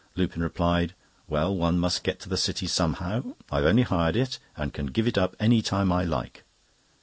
Lupin replied: "Well, one must get to the City somehow. I've only hired it, and can give it up any time I like."